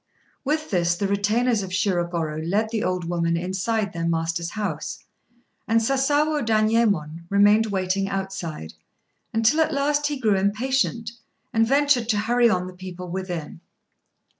With this the retainers of Shirogorô led the old woman inside their master's house, and Sasawo Danyémon remained waiting outside, until at last he grew impatient, and ventured to hurry on the people within.